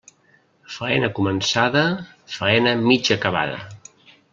Faena començada, faena mig acabada.